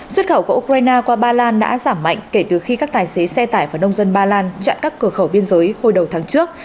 xuất khẩu của ukraine qua ba lan đã giảm mạnh kể từ khi các tài xế xe tải và nông dân ba lan chặn các cửa khẩu biên giới hồi đầu tháng trước